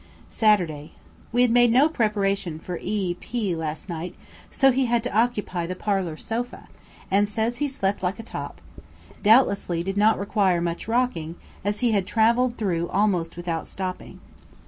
Saturday. We had made no preparation for E. P last night, so he had to occupy the "parlour" sofa, and says he slept like a top; doubtlessly did not require much rocking, as he had travelled through almost without stopping.